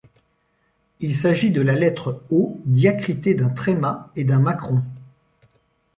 Il s’agit de la lettre O diacritée d’un tréma et d’un macron.